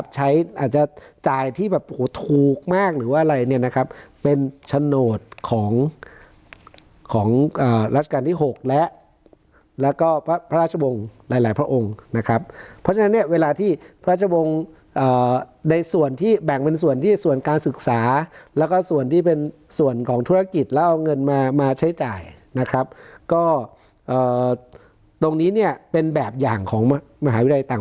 อาจจะจ่ายที่แบบโอ้โหถูกมากหรือว่าอะไรเนี่ยนะครับเป็นโฉนดของของรัชกาลที่๖และแล้วก็พระราชวงศ์หลายหลายพระองค์นะครับเพราะฉะนั้นเนี่ยเวลาที่พระราชวงศ์ในส่วนที่แบ่งเป็นส่วนที่ส่วนการศึกษาแล้วก็ส่วนที่เป็นส่วนของธุรกิจแล้วเอาเงินมามาใช้จ่ายนะครับก็ตรงนี้เนี่ยเป็นแบบอย่างของมหาวิทยาลัยต่าง